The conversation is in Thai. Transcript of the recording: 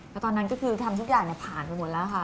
แล้วตอนนั้นก็คือทำทุกอย่างผ่านไปหมดแล้วค่ะ